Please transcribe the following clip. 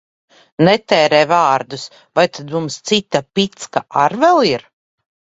Netērē vārdus! Vai tad mums cita picka ar vēl ir?